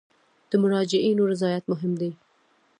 د مراجعینو رضایت مهم دی